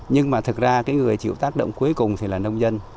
nhưng mà thực ra người chịu tác động cuối cùng là nông dân